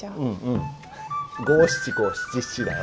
五七五七七だよ。